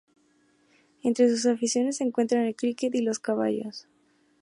Entre sus aficiones se encuentran el cricket y los caballos.